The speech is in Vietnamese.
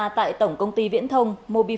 tiếp tay vận động nhân dân không tham gia